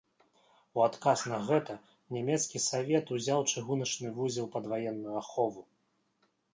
У адказ на гэта нямецкі савет узяў чыгуначны вузел пад ваенную ахову.